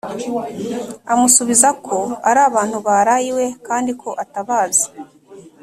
amusubiza ko ari abantu baraye iwe kandi ko atabazi;